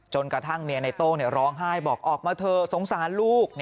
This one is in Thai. กระทั่งเมียในโต้ร้องไห้บอกออกมาเถอะสงสารลูก